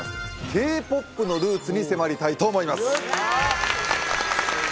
Ｋ−ＰＯＰのルーツに迫りたいと思いますわ！